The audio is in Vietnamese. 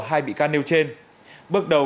hai bị can nêu trên bước đầu